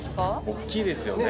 おっきいですよね